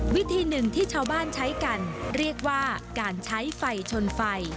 วิธีหนึ่งที่ชาวบ้านใช้กันเรียกว่าการใช้ไฟชนไฟ